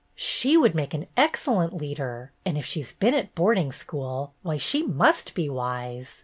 "She would make an excellent leader, and if she's been at boarding school, why, she must be wise!"